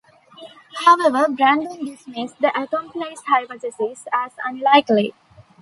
However, Brandon dismissed the accomplice hypothesis as unlikely.